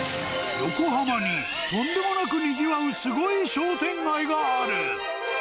横浜にとんでもなくにぎわう、すごい商店街がある。